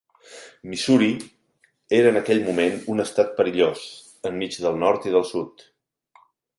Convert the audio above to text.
Missouri era en aquell moment un estat perillós, enmig del Nord i del Sud.